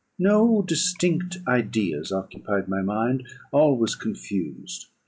No distinct ideas occupied my mind; all was confused.